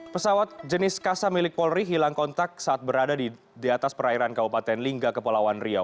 pesawat jenis kasa milik polri hilang kontak saat berada di atas perairan kabupaten lingga kepulauan riau